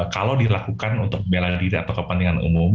kalau dilakukan untuk bela diri atau kepentingan umum